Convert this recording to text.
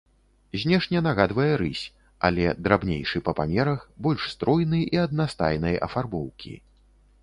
Знешне нагадвае рысь, але драбнейшы па памерах, больш стройны і аднастайнай афарбоўкі.